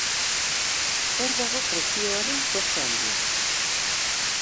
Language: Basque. Hor dago prezioaren koska handia.